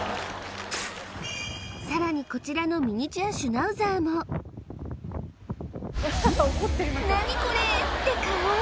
さらにこちらのミニチュア・シュナウザーも「なにこれー！！！」